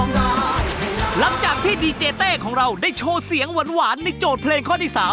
หลังจากที่ดีเจเต้ของเราได้โชว์เสียงหวานในโจทย์เพลงข้อที่๓